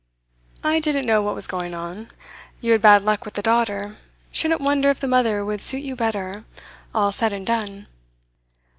I didn't know what was going on. You had bad luck with the daughter; shouldn't wonder if the mother would suit you better, all said and done.